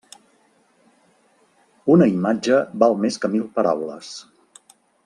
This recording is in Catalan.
Una imatge val més que mil paraules.